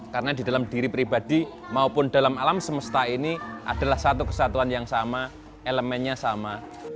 karena di dalam diri pribadi maupun dalam alam semesta ini adalah satu kesatuan yang sama elemennya sama